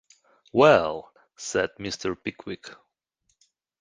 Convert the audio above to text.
‘Well!’ said Mr. Pickwick.